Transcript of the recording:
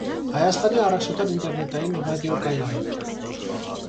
Հայաստանի առաջատար ինտերնետային ռադիոկայանն է։